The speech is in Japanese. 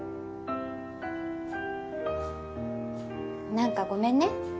なんかごめんね。